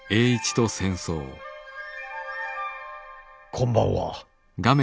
こんばんは。